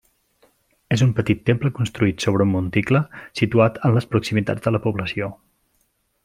És un petit temple construït sobre un monticle situat en les proximitats de la població.